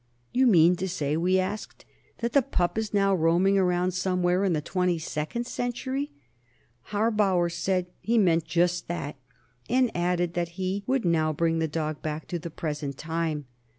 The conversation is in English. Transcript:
"You mean to say," we asked, "that the pup is now roaming around somewhere in the Twenty second Century?" Harbauer said he meant just that, and added that he would now bring the dog back to the present time.